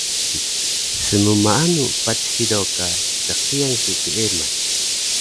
Smmaanu patis hido ka ttqiyan su keeman?